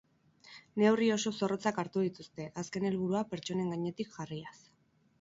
Neurri oso zorrotzak hartu dituzte, azken helburua pertsonen gainetik jarriaz.